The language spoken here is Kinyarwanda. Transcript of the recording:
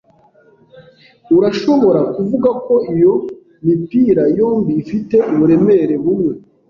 Urashobora kuvuga ko iyo mipira yombi ifite uburemere bumwe.